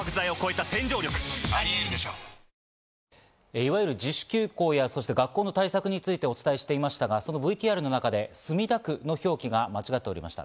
いわゆる自主休校や学校の対策についてお伝えしていましたが、そのＶＴＲの中で墨田区の表記が間違っておりました。